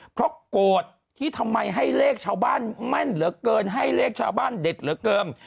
เพราะโกรธที่ทำไมให้เลขชาวบ้านแม่นเหลือเกินให้เลขชาวบ้านเด็ดเหลือเกิน